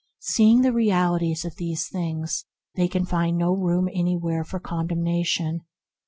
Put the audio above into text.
Seeing the realities of things, they can find no room anywhere for con demnation.